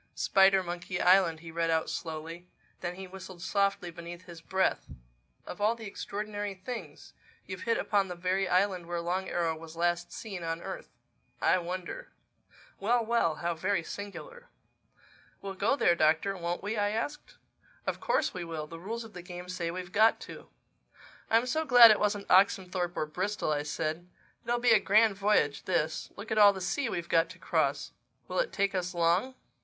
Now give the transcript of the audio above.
"Spidermonkey Island," he read out slowly. Then he whistled softly beneath his breath. "Of all the extraordinary things! You've hit upon the very island where Long Arrow was last seen on earth—I wonder—Well, well! How very singular!" "We'll go there, Doctor, won't we?" I asked. "Of course we will. The rules of the game say we've got to." "I'm so glad it wasn't Oxenthorpe or Bristol," I said. "It'll be a grand voyage, this. Look at all the sea we've got to cross. Will it take us long?"